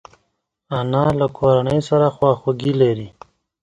انا له کورنۍ سره خواخوږي لري